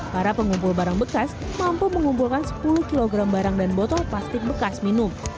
para pengumpul barang bekas mampu mengumpulkan sepuluh kg barang dan botol plastik bekas minum